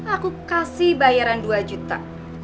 aku kasih bayaran dua juta